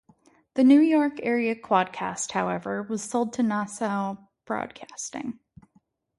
The New York area quadcast, however, was sold to Nassau Broadcasting.